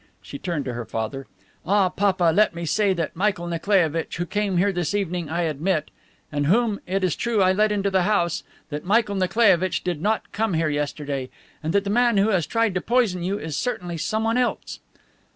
She turned to her father. "Ah, papa, let me, let me say that Michael Nikolaievitch, who came here this evening, I admit, and whom, it is true, I let into the house, that Michael Nikolaievitch did not come here yesterday, and that the man who has tried to poison you is certainly someone else."